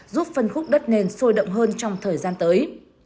giúp phân khúc đất nền sôi động hơn trong thời gian tới